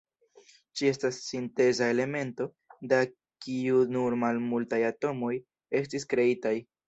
Ĝi estas sinteza elemento, da kiu nur malmultaj atomoj estis kreitaj.